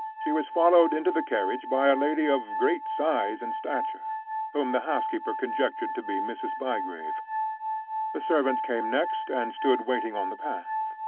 She was followed into the carriage by a lady of great size and stature, whom the housekeeper conjectured to be Mrs. Bygrave. The servant came next, and stood waiting on the path.